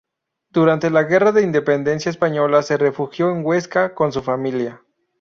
Durante la Guerra de Independencia Española se refugió en Huesca, con su familia.